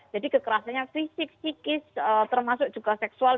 jadi kekerasannya fisik psikis termasuk juga seksual